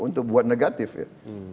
untuk buat negatif ya